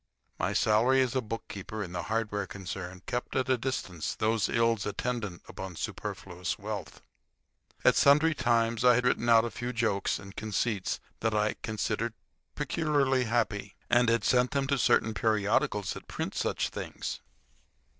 My salary as bookkeeper in the hardware concern kept at a distance those ills attendant upon superfluous wealth. At sundry times I had written out a few jokes and conceits that I considered peculiarly happy, and had sent them to certain periodicals that print such things.